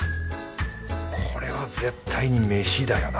これは絶対に飯だよな。